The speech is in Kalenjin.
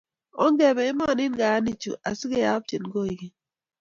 Ongebe emonin, kayanichu as keyapchen koigeny